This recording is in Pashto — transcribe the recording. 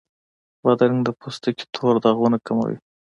بادرنګ د پوستکي تور داغونه کموي.